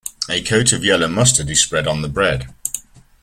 A coat of yellow mustard is spread on the bread.